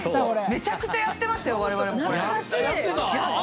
めちゃくちゃやってましたよ、我々も。